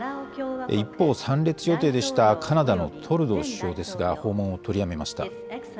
一方、参列予定でしたカナダのトルドー首相ですが、訪問を取りやめました。